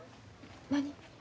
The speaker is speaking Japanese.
何？